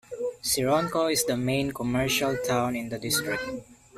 Sironko is the main commercial town in the district.